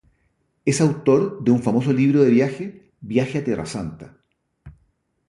Es autor de un famoso libro de viaje ‘Viaje a Tierra Santa’.